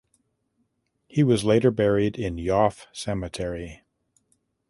He was later buried in Yoff cemetery.